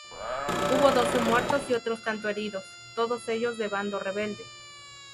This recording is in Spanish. Hubo doce muertos y otros tantos heridos, todos ellos del bando rebelde.